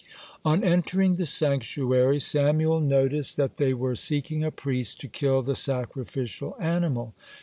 On entering the sanctuary Samuel noticed that they were seeking a priest to kill the sacrificial animal.